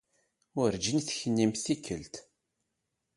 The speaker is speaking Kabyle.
Urǧin teknimt tikkelt.